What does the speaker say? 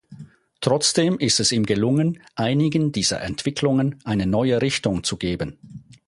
Trotzdem ist es ihm gelungen, einigen dieser Entwicklungen eine neue Richtung zu geben.